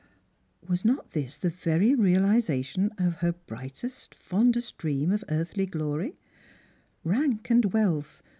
Was not this the very realisation of her Drightest, fondest dream of earthly glory P Eauk and wealth, •!